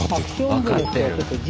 分かってる！